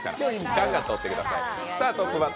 ガンガン撮ってください。